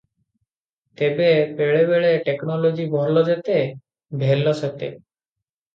ତେବେ ବେଳେବେଳେ ଟେକନୋଲୋଜି ଭଲ ଯେତେ ଭେଲ ସେତେ ।